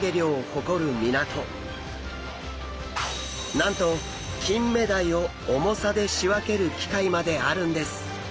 なんとキンメダイを重さで仕分ける機械まであるんです。